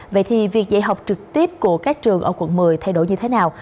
vậy thì việc dạy học trực tiếp của các trường ở quận một mươi thay đổi như thế nào